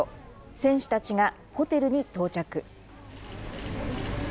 選手たちがホテルに到着。